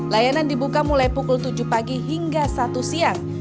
layanan dibuka mulai pukul tujuh pagi hingga satu siang